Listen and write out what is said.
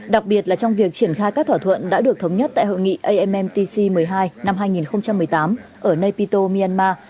đặc biệt là trong việc triển khai các thỏa thuận đã được thống nhất tại hội nghị ammtc một mươi hai năm hai nghìn một mươi tám ở napito myanmar